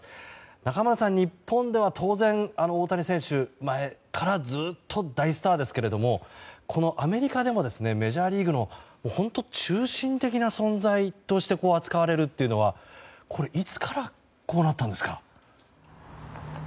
中丸さん、日本では当然大谷選手前からずっと大スターですけどもアメリカでもメジャーリーグの中心的な存在として扱われるというのはいつからこうなったんですか？